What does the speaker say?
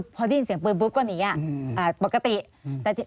พอได้ยินเสียงปืนปุ๊บก็หนีปกติ